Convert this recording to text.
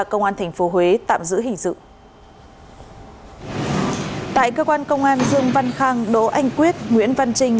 tại cơ quan công an dương văn khang đỗ anh quyết nguyễn văn trinh